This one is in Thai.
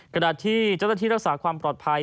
ขณะที่เจ้าหน้าที่รักษาความปลอดภัย